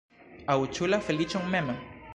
Aŭ ĉu la feliĉon mem?